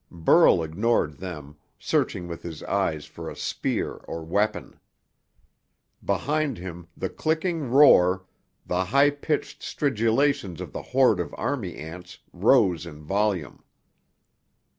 Burl ignored them, searching with his eyes for a spear or weapon. Behind him the clicking roar, the high pitched stridulations of the horde of army ants, rose in volume.